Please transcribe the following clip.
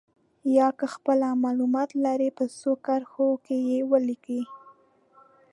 یا که خپله معلومات لرئ په څو کرښو کې یې ولیکئ.